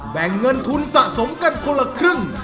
แบ่งเงินทุนสะสมกันคนละครึ่ง